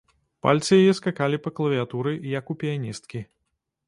Пальцы яе скакалі па клавіятуры, як у піяністкі.